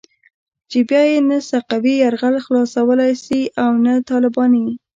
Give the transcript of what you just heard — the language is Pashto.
چې بيا يې نه سقوي يرغل خلاصولای شي او نه طالباني.